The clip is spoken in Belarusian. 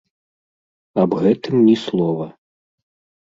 Аб гэтым ні слова.